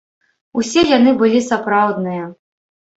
Усе яны былі сапраўдныя.